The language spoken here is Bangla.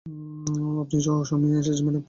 আপনি অসময়ে এসেছেন, ম্যাডাম।